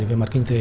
về mặt kinh tế